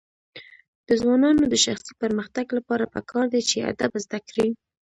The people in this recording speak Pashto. د ځوانانو د شخصي پرمختګ لپاره پکار ده چې ادب زده کړي.